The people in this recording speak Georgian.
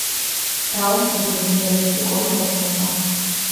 დაოსიზმი დიალექტიკური მოძღვრებაა.